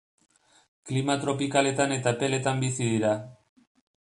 Klima tropikaletan eta epeletan bizi dira.